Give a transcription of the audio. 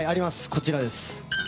こちらです。